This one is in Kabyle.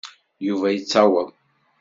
Yuba yettaweḍ.